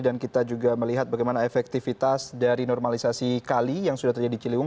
dan kita juga melihat bagaimana efektivitas dari normalisasi kali yang sudah terjadi di ciliwung